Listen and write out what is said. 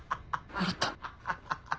笑った。